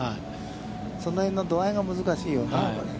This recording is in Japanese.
その辺の度合いが難しいよね、やっぱり。